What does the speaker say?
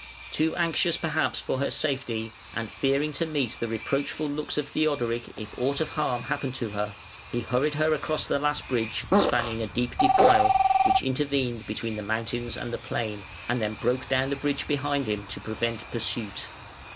Too anxious perhaps for her safety, and fearing to meet the reproachful looks of Theodoric if aught of harm happened to her, he hurried her across the last bridge, spanning a deep defile, which intervened between the mountains and the plain, and then broke down the bridge behind him to prevent pursuit.